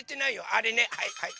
あれねはいはい。